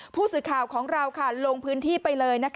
ผู้สื่อข่าวของเราลงพื้นที่ไปเลย